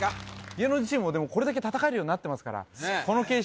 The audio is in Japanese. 芸能人チームでもこれだけ戦えるようになってますからこの形式